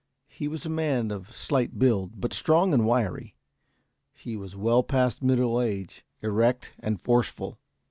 He was a man of slight build, but strong and wiry. He was well past middle age, erect and forceful.